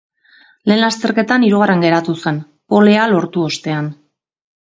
Lehen lasterketan hirugarren geratu zen, polea lortu ostean.